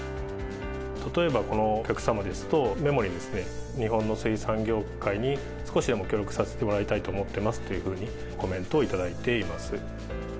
例えばこのお客様ですと、メモに、日本の水産業界に少しでも協力させてもらいたいと思っていますというふうにコメントを頂いています。